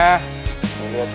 ya ampun roman